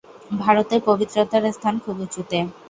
ভারতে পবিত্রতার স্থান খুব উঁচুতে।